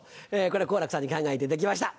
これ好楽さんに考えていただきました！